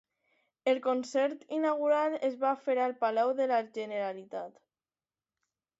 El concert inaugural es va fer al Palau de la Generalitat.